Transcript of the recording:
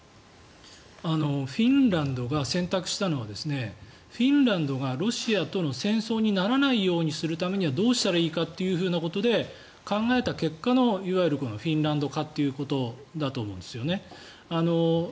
フィンランドが選択したのはフィンランドがロシアとの戦争にならないようにするためにはどうしたらいいかということで考えた結果のいわゆるフィンランド化ということだと思うんですね。